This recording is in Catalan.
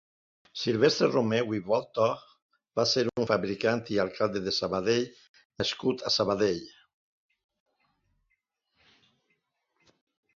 Silvestre Romeu i Voltà va ser un fabricant i alcalde de Sabadell nascut a Sabadell.